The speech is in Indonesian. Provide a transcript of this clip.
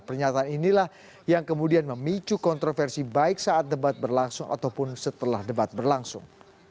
pernyataan inilah yang kemudian memicu kontroversi baik saat debat berlangsung ataupun setelah debat berlangsung